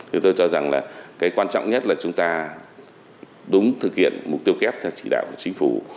thì tôi cho rằng là cái quan trọng nhất là chúng ta đúng thực hiện mục tiêu kép theo chỉ đạo của chính phủ